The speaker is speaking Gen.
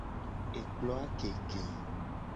Ekploa keke.